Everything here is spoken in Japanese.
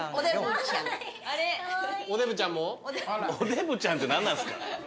おでぶちゃんって何なんすか。